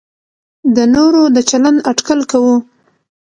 د نورو د چلند اټکل کوو.